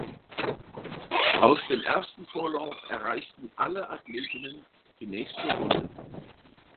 Aus dem ersten Vorlauf erreichten alle Athletinnen die nächste Runde.